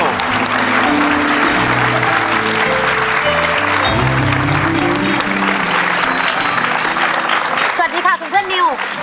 สวัสดีค่ะคุณเพื่อนนิว